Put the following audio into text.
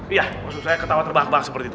iya maksud saya ketawa terbahak bahak seperti itu